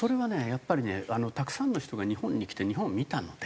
やっぱりねたくさんの人が日本に来て日本を見たので。